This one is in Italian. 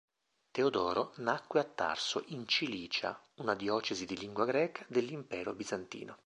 Teodoro nacque a Tarso in Cilicia, una diocesi di lingua greca dell'Impero bizantino.